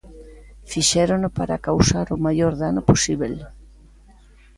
"Fixérono para causar o maior dano posíbel".